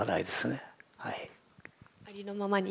ありのままに。